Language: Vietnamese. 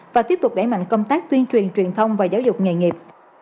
và tiếp tục đẩy mạnh công tác tuyên truyền truyền thông và giáo dục nghề nghiệp